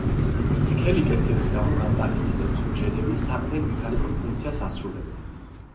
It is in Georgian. სქელი კედლების გამო გამტარი სისტემის უჯრედები, საყრდენ–მექანიკურ ფუნქციას ასრულებენ.